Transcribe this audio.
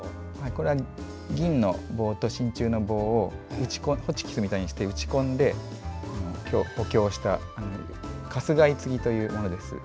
これは銀の棒と真ちゅうの棒をホッチキスみたいにして打ち込んで、補強したかすがい継ぎというものです。